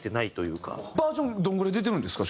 バージョンどのぐらい出てるんですか？